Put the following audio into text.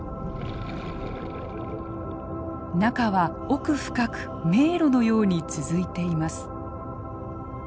中は奧深く迷路のように続いています。